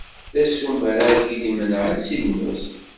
D asumer ara k-d-imenɛen si lmut.